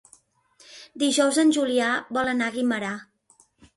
Dijous en Julià vol anar a Guimerà.